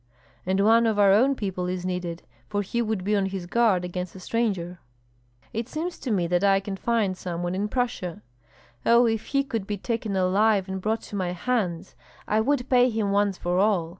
"And one of our own people is needed, for he would be on his guard against a stranger." "It seems to me that I can find some one in Prussia." "Oh, if he could be taken alive and brought to my hands, I would pay him once for all.